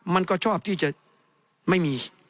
มันก็ชอบที่จะไม่มี